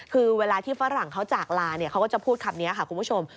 คือเวลาที่ฝรั่งเขาจากลาเนี่ยเขาก็จะพูดคำนี้ค่ะคุณผู้ชม